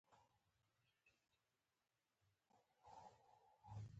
فیوډال ځمکوالو کولای شول چې د بانک له پورونو ګټه واخلي.